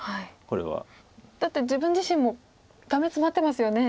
だって自分自身もダメツマってますよね。